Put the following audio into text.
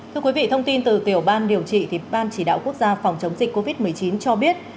thưa quý vị thông tin từ tiểu ban điều trị ban chỉ đạo quốc gia phòng chống dịch covid một mươi chín cho biết